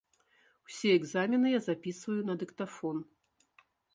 Усе экзамены я запісваю на дыктафон.